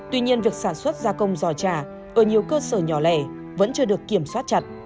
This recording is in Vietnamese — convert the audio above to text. tuy nhiên việc sản xuất gia công giò trà ở nhiều cơ sở nhỏ lẻ vẫn chưa được kiểm soát chặt